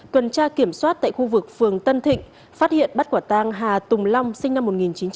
tuần tra kiểm soát tại khu vực phường tân thịnh phát hiện bắt quả tang hà tùng long sinh năm một nghìn chín trăm tám mươi